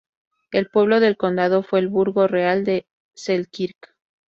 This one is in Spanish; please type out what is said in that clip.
El pueblo del condado fue el burgo real de Selkirk.